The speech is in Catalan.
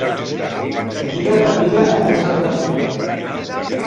Antiga capella avui desapareguda.